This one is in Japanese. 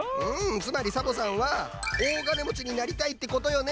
つまりサボさんは大金もちになりたいってことよね？